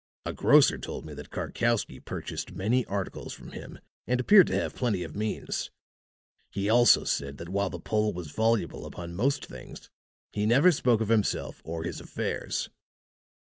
A grocer told me that Karkowsky purchased many articles from him and appeared to have plenty of means; he also said that while the Pole was voluble upon most things he never spoke of himself or his affairs.